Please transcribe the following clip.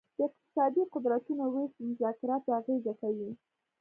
د اقتصادي قدرتونو ویش په مذاکراتو اغیزه کوي